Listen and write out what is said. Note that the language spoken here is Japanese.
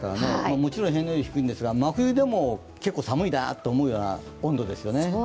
もちろん平年より寒いんですが真冬でも結構寒いなと思う温度ですよね。